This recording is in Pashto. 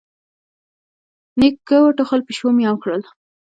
نيکه وټوخل، پيشو ميو کړل.